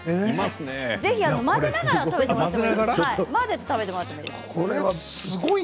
ぜひ混ぜながら食べてください。